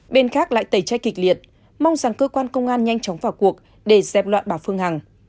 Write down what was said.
bên khác lại tẩy chay kịch liệt mong rằng cơ quan công an nhanh chóng vào cuộc để dẹp loạn bà phương hằng